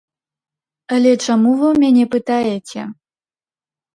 Але чаму вы ў мяне пытаеце?